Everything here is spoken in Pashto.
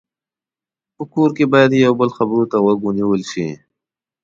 په کور کې باید د یو بل خبرو ته غوږ ونیول شي.